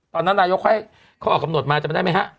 ตอนนั้นนายกให้ข้อกำหนดมาจำเป็นได้ไหมครับ